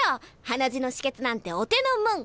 鼻血の止血なんてお手のもん。